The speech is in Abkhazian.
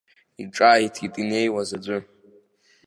Иҿааиҭит инеиуаз аӡәы.